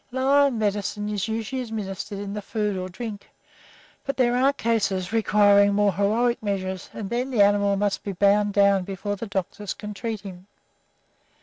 Lion medicine is usually administered in the food or drink, but there are cases requiring more heroic measures, and then the animal must be bound down before the doctors can treat him.